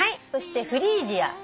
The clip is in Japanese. そしてフリージア。